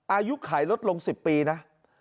อายุขายลดลง๑๐ปีนะ